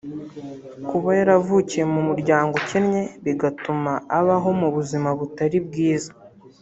Kuba yaravukiye mu muryango ukennye bigatuma abaho mu buzima butari bwiza